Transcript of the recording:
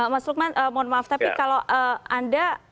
mas lukman mohon maaf tapi kalau anda